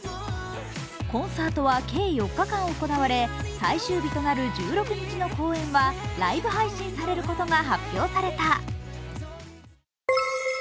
コンサートは計４日間行われ最終日となる１６日の公演はライブ配信されることが発表された。